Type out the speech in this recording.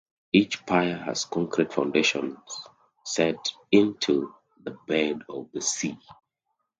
Each pier has concrete foundations set into the bed of the sea.